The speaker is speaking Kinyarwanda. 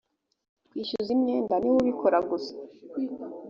kwishyuza imyenda ni we ubikora gusa